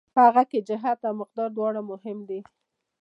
په هغه کې جهت او مقدار دواړه مهم دي.